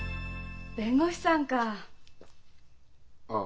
弁護士さんかあ。